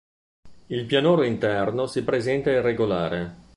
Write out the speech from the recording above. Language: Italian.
Il pianoro interno si presenta irregolare.